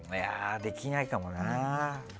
できないかもな。